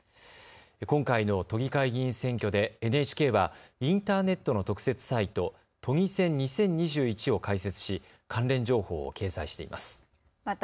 今回の都議会議員選挙でＮＨＫはインターネットの特設サイト、都議選２０２１を開設し関連情報を掲載しています。